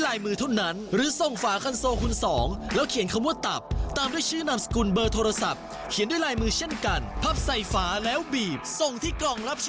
ถ้าใครอยากจะยกระดับคุณภาพชีวิตดีแบบนี้